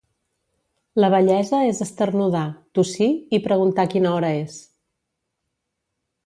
La vellesa és esternudar, tossir i preguntar quina hora és.